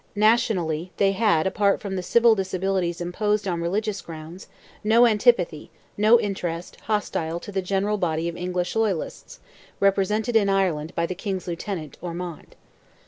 Nationally, they had, apart from the civil disabilities imposed on religious grounds, no antipathy, no interest, hostile to the general body of English loyalists, represented in Ireland by the King's lieutenant, Ormond.